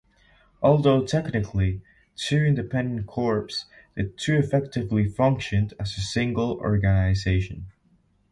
Although technically two independent corps, the two effectively functioned as a single organisation.